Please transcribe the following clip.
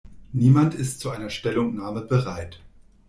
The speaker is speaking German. Niemand ist zu einer Stellungnahme bereit.